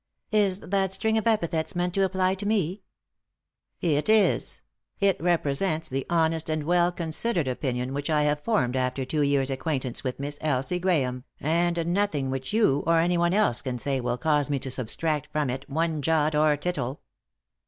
" Is that string of epithets meant to apply to me ?" "It is ; it represents the honest and well considered opinion which I have formed after two years' acquaint ance with Miss Elsie Grahame, and nothing which you or anyone else can say will cause me to subtract from it one jot or tittle.